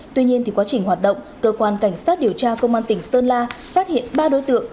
tuy nhiên quá trình hoạt động cơ quan cảnh sát điều tra công an tỉnh sơn la phát hiện ba đối tượng